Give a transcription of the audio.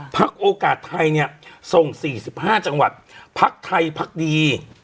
พักโอกาสไทยเนี้ยส่งสี่สิบห้าจังหวัดพักไทยพักดี